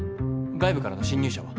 外部からの侵入者は？